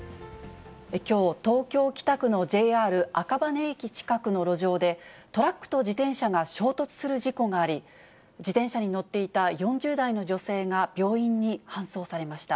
きょう、東京・北区のＪＲ赤羽駅近くの路上で、トラックと自転車が衝突する事故があり、自転車に乗っていた４０代の女性が病院に搬送されました。